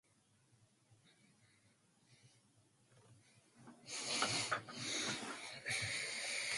Electrical current flows through the wheel into the wire.